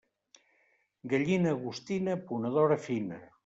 Gallina agostina, ponedora fina.